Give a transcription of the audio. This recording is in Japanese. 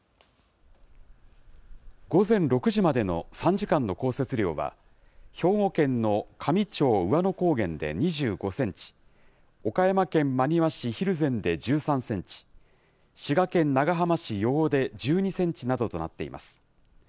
午前６時までの３時間の降雪量は、兵庫県の香美町兎和野高原で２５センチ、岡山県真庭市蒜山で１３センチ、滋賀県長浜市余呉で１２センチなどとなっています。